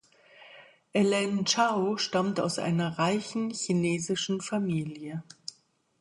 Elaine Chao stammt aus einer reichen chinesischen Familie.